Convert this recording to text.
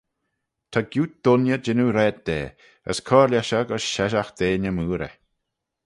Ta gioot dooinney jannoo raad da as cur lesh eh gys sheshaght deiney mooarey.